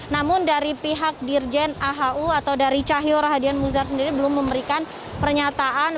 namun dari pihak dirjen ahu atau dari cahyo rahadian muzar sendiri belum memberikan pernyataan